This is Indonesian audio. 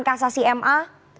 pembacaan kasasi ma